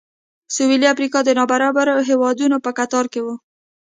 سوېلي افریقا د نابرابرو هېوادونو په کتار کې و.